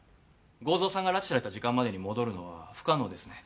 剛蔵さんが拉致された時間までに戻るのは不可能ですね。